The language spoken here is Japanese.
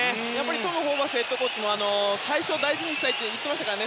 トム・ホーバスヘッドコーチも最初を大事にしたいと言ってましたからね。